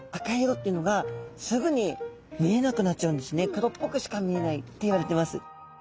黒っぽくしか見えないっていわれてます。